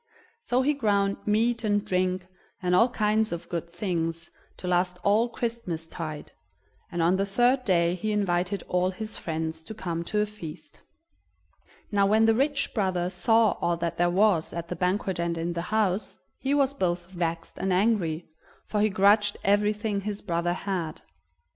So he ground meat and drink, and all kinds of good things, to last all Christmas tide, and on the third day he invited all his friends to come to a feast. Now when the rich brother saw all that there was at the banquet and in the house, he was both vexed and angry, for he grudged everything his brother had.